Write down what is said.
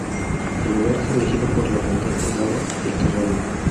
El lugar es elegido por la bondad del agua y el terreno.